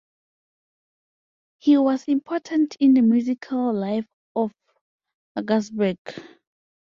He was important in the musical life of Augsburg.